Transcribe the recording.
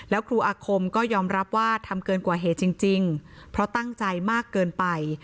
แล้วครูอาคมก็ยอมรับว่าทำเกินกว่าเหตุจริงเพราะตั้งใจมากเกินไป